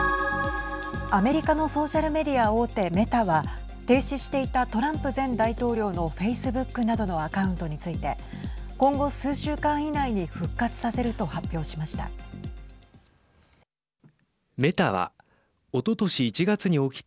アメリカのソーシャルメディア大手メタは停止していたトランプ前大統領のフェイスブックなどのアカウントについて今後、数週間以内に復活させると発表しました。